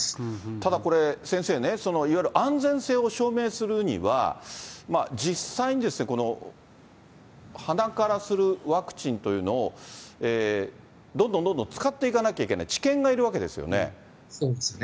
ただこれ、先生ね、いわゆる安全性を証明するには、実際に鼻からするワクチンというのを、どんどんどんどん使っていかなきゃいけない、そうですね。